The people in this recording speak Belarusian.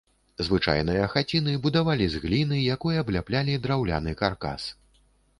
Звычайныя хаціны будавалі з гліны, якой абляплялі драўляны каркас.